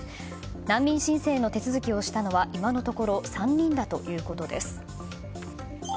難民申請の手続きをしたのは今のところ３人だということです。